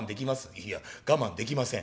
『いや我慢できません。